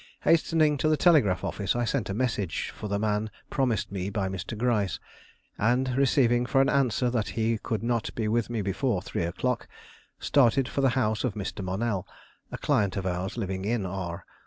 Hastening to the telegraph office, I sent a message for the man promised me by Mr. Gryce, and receiving for an answer that he could not be with me before three o'clock, started for the house of Mr. Monell, a client of ours, living in R